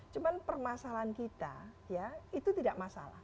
cuma permasalahan kita ya itu tidak masalah